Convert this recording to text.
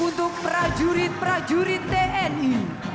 untuk prajurit prajurit tni